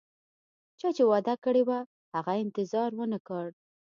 چا چې وعده کړي وه، هغه انتظار ونه کړ